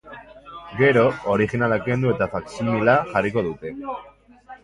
Gero, orijinala kendu eta faksimila jarriko dute.